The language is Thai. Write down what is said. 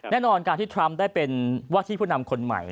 แน่นอนการที่ทรัมป์ได้เป็นว่าที่ผู้นำคนใหม่